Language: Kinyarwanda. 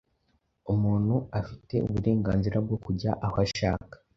Umuntu afite uburenganzira bwo kujya aho ashaka